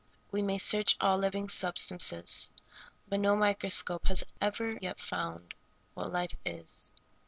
We may search all living substances, but no microscope has ever yet found what life is.